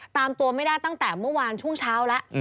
ตามตัวไม่ได้ตั้งแต่เมื่อวานช่วงเช้าแล้ว